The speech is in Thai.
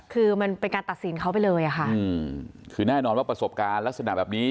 คือมันเป็นการตัดสินเขาไปเลยอะค่ะคือแน่นอนว่าประสบการณ์ลักษณะแบบนี้